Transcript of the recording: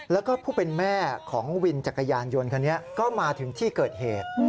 แล้วก็ผู้เป็นแม่ของวินจักรยานยนต์คันนี้ก็มาถึงที่เกิดเหตุ